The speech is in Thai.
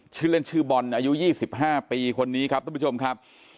ชื่อเล่นชื่อบอลอายุ๒๕ปีคนนี้ครับทุกผู้ชมครับ